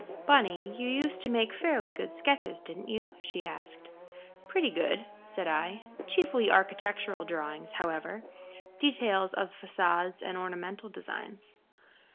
"Bunny, you used to make fairly good sketches, didn't you?" she asked. "Pretty good," said I. "Chiefly architectural drawings, however details of façades and ornamental designs."